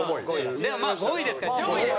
でもまあ５位ですから上位です。